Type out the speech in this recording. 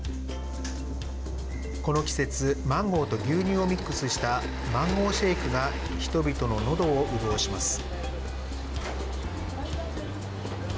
この季節マンゴーと牛乳をミックスしたマンゴー・シェークが人々ののどを潤します。